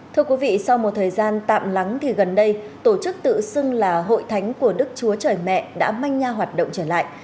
thưa quý vị sau một thời gian tạm lắng thì gần đây tổ chức tự xưng là hội thánh của đức chúa trời mẹ đã manh nha hoạt động trở lại